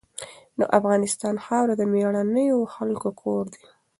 د افغانستان خاوره د مېړنیو خلکو کور دی.